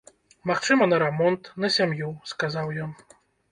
Магчыма, на рамонт, на сям'ю, сказаў ён.